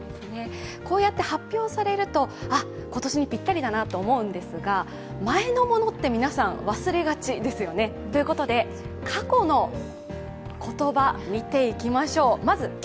こうやって発表されるとあっ、今年にぴったりだなと思うんですが前のものって皆さん、忘れがちですよね、ということで過去の言葉、見ていきましょう。